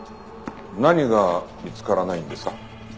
何が見つからないんですか？